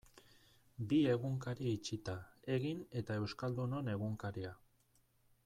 Bi egunkari itxita, Egin eta Euskaldunon Egunkaria.